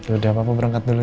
udah papa berangkat dulu ya